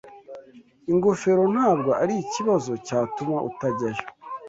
ingofero ntabwo ari ikibazo CYATUMA utajyayo